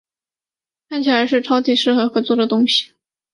看起来是超级适合合作的东西